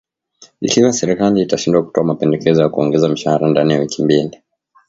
ikiwa serikali itashindwa kutoa mapendekezo ya kuongeza mishahara ndani ya wiki mbili